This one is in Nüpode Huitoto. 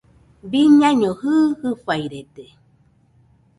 Biñaino jɨɨ, fɨfairede